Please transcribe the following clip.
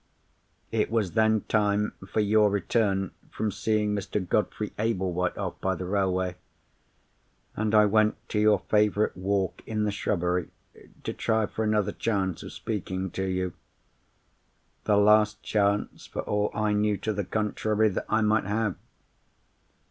It was then time for your return from seeing Mr. Godfrey Ablewhite off by the railway; and I went to your favourite walk in the shrubbery, to try for another chance of speaking to you—the last chance, for all I knew to the contrary, that I might have.